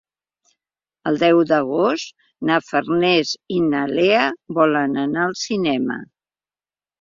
El deu d'agost na Farners i na Lea volen anar al cinema.